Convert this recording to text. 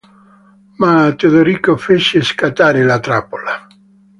Ma Teodorico fece scattare la trappola.